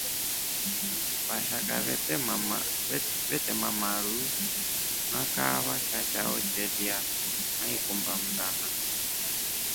Vashaka veteme mayuu na kaava sha chao cheelya na ikumba mndana.